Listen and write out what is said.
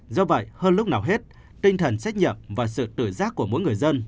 do vậy hơn lúc nào hết tinh thần trách nhận và sự tử giác của mỗi người dân